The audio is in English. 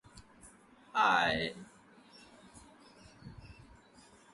Michelle Swope of Dread Central awarded the film four stars out of five.